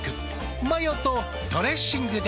マヨとドレッシングで。